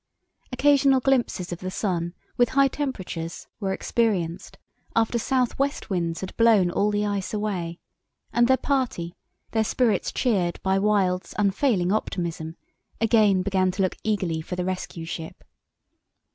Occasional glimpses of the sun, with high temperatures, were experienced, after south west winds had blown all the ice away, and the party, their spirits cheered by Wild's unfailing optimism, again began to look eagerly for the rescue ship.